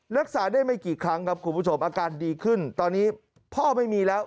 รักษาได้ไม่กี่ครั้งครับคุณผู้ชมอาการดีขึ้นตอนนี้พ่อไม่มีแล้ว